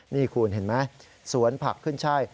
นี่คุณเห็นไหมสวนผักขึ้นใช่